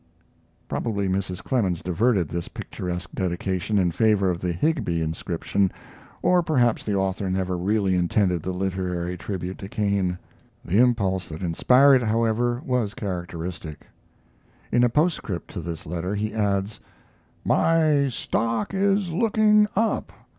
Probably Mrs. Clemens diverted this picturesque dedication in favor of the Higbie inscription, or perhaps the author never really intended the literary tribute to Cain. The impulse that inspired it, however, was characteristic. In a postscript to this letter he adds: My stock is looking up.